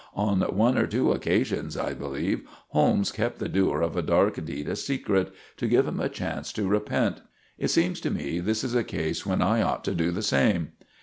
On one or two occasions, I believe, Holmes kept the doer of a dark deed a secret—to give him a chance to repent. It seems to me this is a case when I ought to do the same."